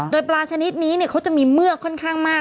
โดยปลาชนิดนี้เขาจะมีเมือกค่อนข้างมาก